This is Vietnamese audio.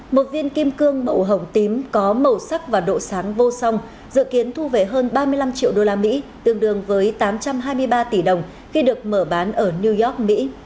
một viên kim cương màu hồng tím có màu sắc và độ sáng vô song dự kiến thu về hơn ba mươi năm triệu đô la mỹ tương đương với tám trăm hai mươi ba tỷ đồng khi được mở bán ở new york mỹ